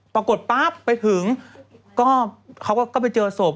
ปรากฏปั๊บไปถึงก็เขาก็ไปเจอศพ